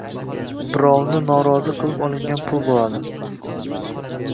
birovni norozi qilib olingan pul bo‘ladi.